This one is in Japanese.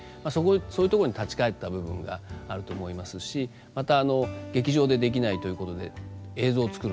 そういうとこに立ち返った部分があると思いますしまた劇場でできないということで映像を作る。